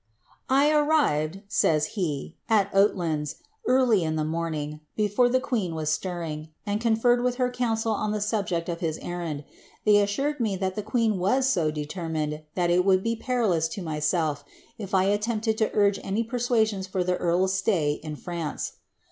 ^ I arrived," says he, ^ at Oatlands, early in the morning, before the queen was stirring, and conferred with her council on the subject of his enand. They assured me that the queen was so determined, that it would be perilous to myself if I attempted to uige any persuasions for the eari's stay in France.